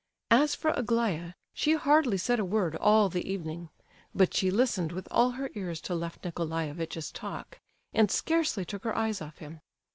As for Aglaya, she hardly said a word all the evening; but she listened with all her ears to Lef Nicolaievitch's talk, and scarcely took her eyes off him.